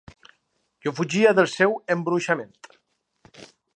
Jo fugia del seu embruixament.